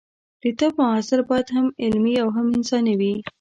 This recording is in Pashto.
د طب محصل باید هم علمي او هم انساني وي.